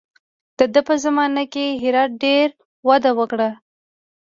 د ده په زمانه کې هرات ډېره وده وکړه.